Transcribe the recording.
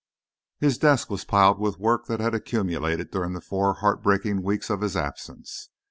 His desk was piled with work that had accumulated during the four heartbreaking weeks of his absence.